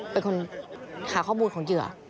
เป็นคนหาข้อมูลของเหยื่อ